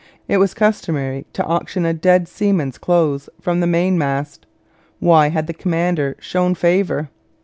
It was customary to auction a dead seaman's clothes from the mainmast. Why had the commander shown favour?